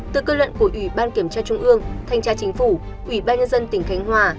từ cơ luận của ủy ban kiểm tra trung ương thanh tra chính phủ ủy ban nhân dân tỉnh khánh hòa